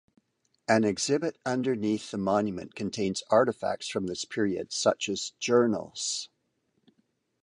An exhibit underneath the monument contains artifacts from this period, such as journals.